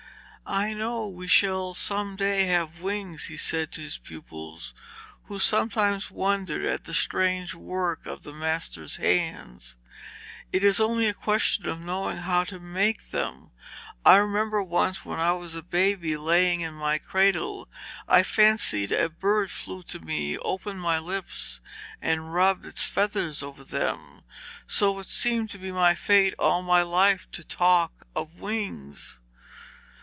'I know we shall some day have wings,' he said to his pupils, who sometimes wondered at the strange work of the master's hands. 'It is only a question of knowing how to make them. I remember once when I was a baby lying in my cradle, I fancied a bird flew to me, opened my lips and rubbed its feathers over them. So it seems to be my fate all my life to talk of wings.'